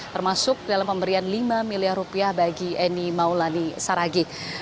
termasuk dalam pemberian lima miliar rupiah bagi eni maulani saragi